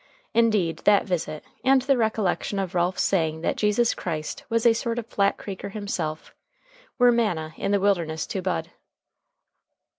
Indeed, that visit, and the recollection of Ralph's saying that Jesus Christ was a sort of a Flat Creeker himself, were manna in the wilderness to Bud.